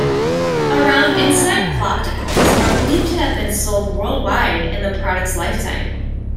Around Insite flopticals are believed to have been sold worldwide in the product's lifetime.